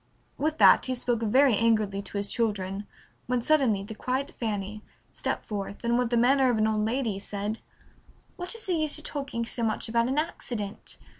With that he spoke very angrily to his children, when suddenly the quiet Fanny stepped forth, and with the manner of an old lady said, "What is the use of talking so much about an accident?